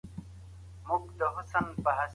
ګډ څانګیز مېتود دا اړتیا پوره کوي.